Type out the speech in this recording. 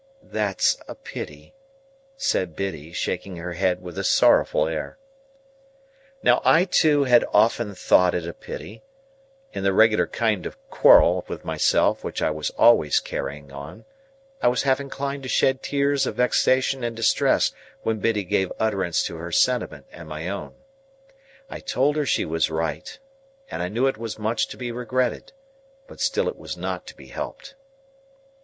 "That's a pity!" said Biddy, shaking her head with a sorrowful air. Now, I too had so often thought it a pity, that, in the singular kind of quarrel with myself which I was always carrying on, I was half inclined to shed tears of vexation and distress when Biddy gave utterance to her sentiment and my own. I told her she was right, and I knew it was much to be regretted, but still it was not to be helped.